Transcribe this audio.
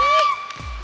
di sini semangat